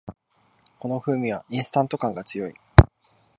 この風味はインスタント感が強い